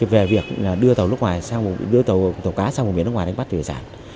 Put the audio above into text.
về việc đưa tàu cá sang vùng biển nước ngoài đánh bắt hải sản